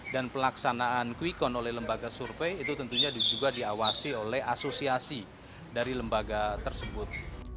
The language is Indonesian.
dan pelaksanaan kwikon oleh lembaga survei itu tentunya juga diawasi oleh asosiasi dari lembaga tersebut